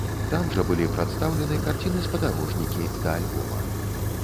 Там жа былі прадстаўлены карціны-спадарожнікі да альбома.